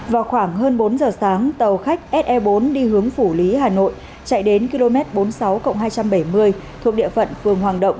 vào khoảng hơn bốn giờ sáng tàu khách se bốn đi hướng phủ lý hà nội chạy đến km bốn mươi sáu hai trăm bảy mươi thuộc địa phận phường hoàng động